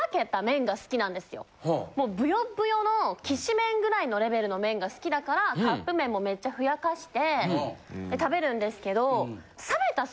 もうブヨブヨのきしめんぐらいのレベルの麺が好きだからカップ麺もめっちゃふやかして食べるんですけど。